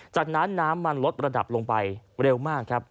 จากนั้นน้ำมันลดระดับลงไปเร็วมากครับ